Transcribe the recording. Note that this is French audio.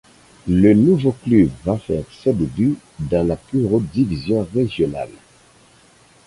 Le nouveau club va faire ces début dans la plus haute division régionale.